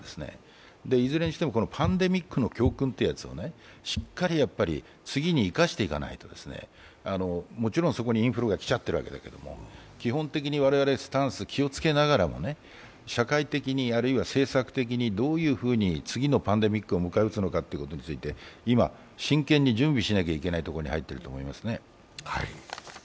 いずれにしてもパンデミックの教訓というやつをしっかり次に生かしていかないと、もちろん、そこにインフルがきちゃっているわけだけれども、基本的にスタンスに気をつけながら、社会的にどういうふうに次のパンデミックを迎え撃つのかということについて今、真剣に準備しないといけないところに入っていると思いますね。